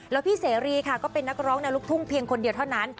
แล้วพี่เสรีค่ะก็เป็นนักร้องในลูกทุ่งเพียงคนเดียวเท่านั้น